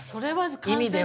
意味では。